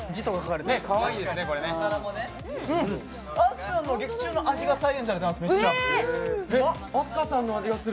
あすぴょんの劇中の味が再現されています。